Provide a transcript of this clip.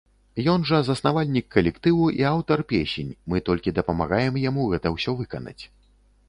Ён жа заснавальнік калектыву і аўтар песень, мы толькі дапамагаем яму гэта ўсё выканаць.